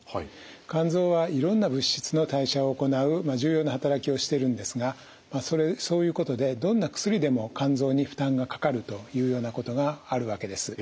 肝臓はいろんな物質の代謝を行う重要な働きをしてるんですがそういうことでどんな薬でも肝臓に負担がかかるというようなことがあるわけです。